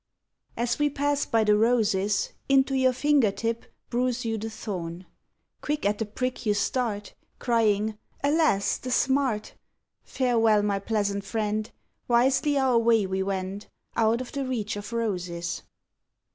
As we pass by the roses, Into your finger tip Bruise you the thorn. Quick at the prick you start, Crying, "Alas, the smart! Farewell, my pleasant friend, Wisely our way we wend Out of the reach of roses."